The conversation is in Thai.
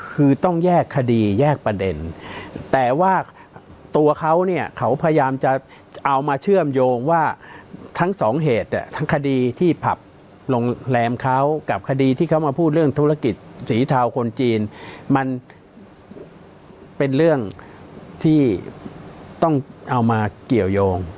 คือต้องแยกคดีแยกประเด็นแต่ว่าตัวเขาเนี่ยเขาพยายามจะเอามาเชื่อมโยงว่าทั้งสองเหตุทั้งคดีที่ผับโรงแรมเขากับคดีที่เขามาพูดเรื่องธุรกิจสีเทาคนจีนมันเป็นเรื่องที่ต้องเอามาเกี่ยวยง